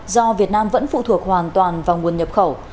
do việt nam vẫn phụ thuộc hoàn toàn vào nguồn nhập khẩu